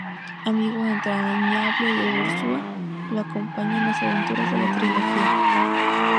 Amigo entrañable de Ursúa lo acompaña en las aventuras de la trilogía.